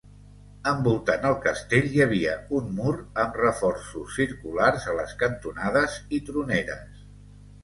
Envoltant el castell hi havia un mur amb reforços circulars a les cantonades i troneres.